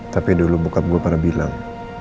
tapi dulu buka gue pernah bilang